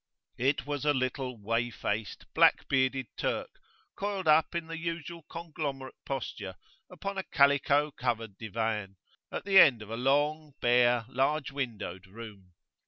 It was a little, whey faced, black bearded Turk, coiled up in the usual conglomerate posture upon a calico covered diwan, at the end of a long, bare, large windowed room.